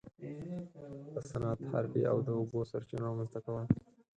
د صنعت، حرفې او د اوبو سرچینو رامنځته کول.